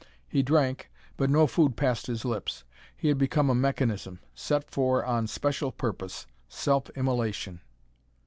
He drank, but no food passed his lips. He had become a mechanism, set for on special purpose self immolation.